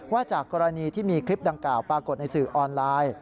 จากกรณีที่มีคลิปดังกล่าวปรากฏในสื่อออนไลน์